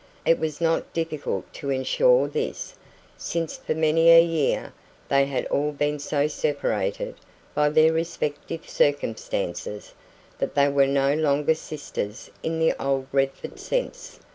It was not difficult to ensure this, since for many a year they had all been so separated by their respective circumstances that they were no longer sisters in the old Redford sense.